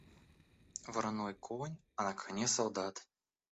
Вороной конь, а на коне солдат!